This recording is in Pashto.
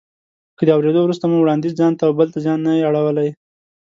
که د اورېدو وروسته مو وړانديز ځانته او بل ته زیان نه اړوي.